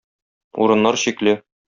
Урыннар чикле.